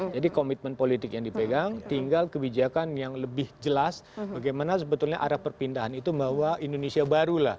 jadi komitmen politik yang dipegang tinggal kebijakan yang lebih jelas bagaimana sebetulnya arah perpindahan itu bahwa indonesia baru lah